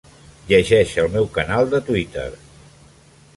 Llegeix el meu canal de Twitter.